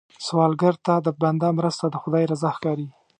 سوالګر ته د بنده مرسته، د خدای رضا ښکاري